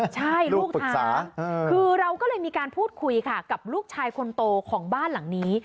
ใช่ลูกท้าคือเราก็เลยมีการพูดคุยค่ะกับลูกชายคนโตของบ้านหลังนี้